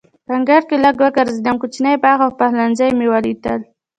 په انګړ کې لږ وګرځېدم، کوچنی باغ او پخلنځی مې ولیدل.